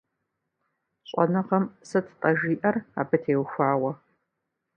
ЩӀэныгъэм сыт-тӀэ жиӀэр абы теухуауэ?